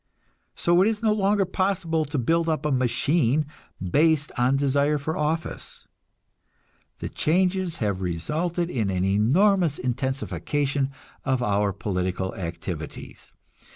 So it is no longer possible to build up a "machine" based on desire for office. The changes have resulted in an enormous intensification of our political activities.